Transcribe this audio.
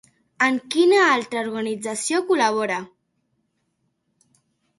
En quina altra organització col·labora?